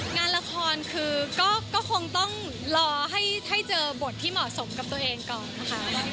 งานละครคือก็คงต้องรอให้เจอบทที่เหมาะสมกับตัวเองก่อนนะคะ